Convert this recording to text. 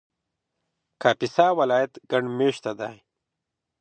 کاپیسا ولایت ګڼ مېشته دی